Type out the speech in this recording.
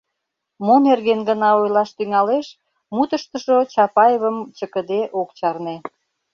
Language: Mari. Мо нерген гына ойлаш тӱҥалеш — мутыштыжо Чапаевым чыкыде ок чарне.